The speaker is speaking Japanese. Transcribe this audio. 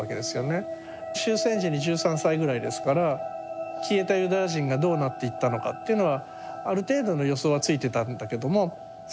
終戦時に１３歳ぐらいですから消えたユダヤ人がどうなっていったのかっていうのはある程度の予想はついていたんだけどもそ